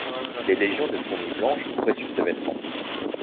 Des légions de fourmis blanches couraient sur ses vêtements.